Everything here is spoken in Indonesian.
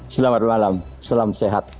selamat malam selam sehat